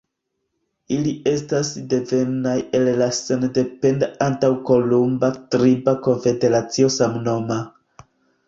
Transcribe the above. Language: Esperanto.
Ili estas devenaj el la sendependa antaŭkolumba triba konfederacio samnoma.